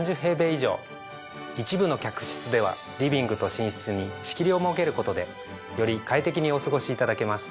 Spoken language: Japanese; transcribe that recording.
一部の客室ではリビングと寝室に仕切りを設けることでより快適にお過ごしいただけます。